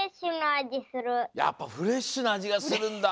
やっぱフレッシュな味がするんだ。